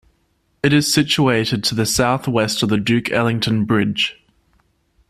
It is situated to the southwest of the Duke Ellington Bridge.